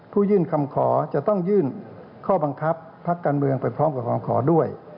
ยื่นคำขอจะต้องยื่นข้อบังคับพักการเมืองไปพร้อมกับคำขอด้วย